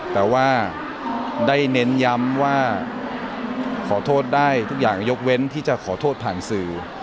แต่ว่าได้เน้นย้ำว่าขอโทษได้ทุกอย่างยกเว้นที่จะขอโทษผ่านสื่อ